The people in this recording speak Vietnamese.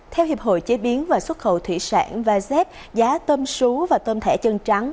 theo hiệp hội chế biến và xuất khẩu thủy sản vasep giá tôm sú và tôm thẻ chân trắng